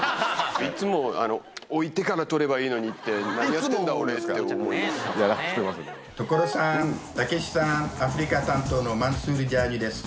いつも置いてから取ればいいのにって、何やってんだ俺って思所さん、たけしさん、アフリカ担当のマンスール・ジャーニュです。